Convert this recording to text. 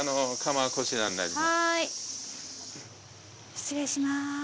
失礼します。